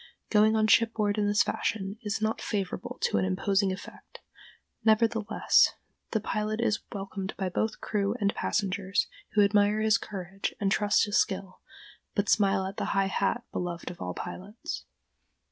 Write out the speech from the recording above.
Going on shipboard in this fashion is not favorable to an imposing effect; nevertheless, the pilot is welcomed by both crew and passengers, who admire his courage and trust his skill, but smile at the high hat beloved of all pilots.